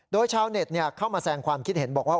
โดยชาวเน็ตเข้ามาแสงความคิดเห็นบอกว่า